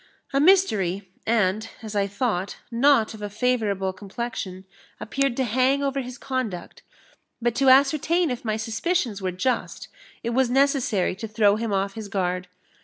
A mystery, and, as I thought, not of a favourable complexion, appeared to hang over his conduct; but to ascertain if my suspicions were just, it was necessary to throw him off his guard.